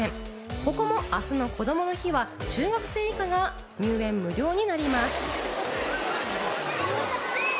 ここも明日のこどもの日は中学生以下が入園無料になります。